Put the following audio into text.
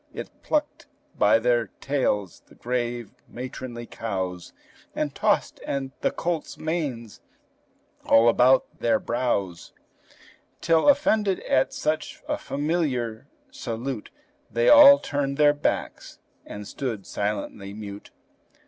It plucked by their tails the grave, matronly cows, And tossed the colts' manes all about their brows, Till, offended at such a familiar salute, They all turned their backs and stood silently mute.